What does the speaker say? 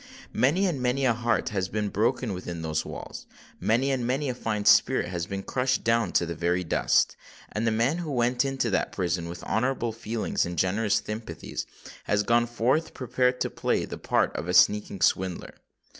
Many and many a heart has been broken within those walls: many and many a fine spirit has been crushed down to the very dust; and the man who went into that prison with honourable feelings and generous sympathies, has gone forth prepared to play the part of a sneaking swindler.